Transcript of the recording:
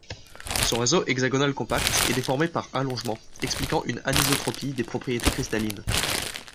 Son réseau hexagonal compact est déformé par allongement, expliquant une anisotropie des propriétés cristallines.